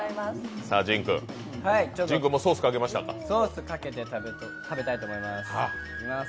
ソースをかけて食べたいと思います。